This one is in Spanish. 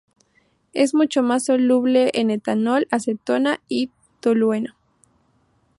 Es mucho más soluble en etanol, acetona y tolueno.